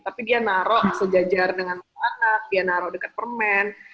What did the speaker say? tapi dia naruh sejajar dengan anak dia naruh dekat permen